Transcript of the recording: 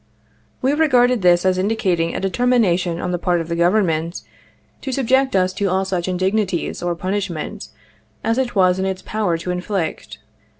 We regarded this as indicating a determination on the part of the Government to subject us to all such in dignities or punishment as it was in its power to inflict.